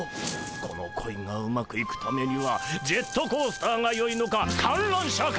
この恋がうまくいくためにはジェットコースターがよいのか観覧車か。